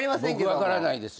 僕分からないです。